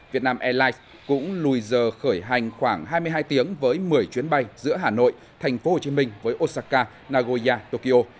việt nam airlines cũng lùi giờ khởi hành khoảng hai mươi hai tiếng với một mươi chuyến bay giữa hà nội thành phố hồ chí minh với osaka nagoya tokyo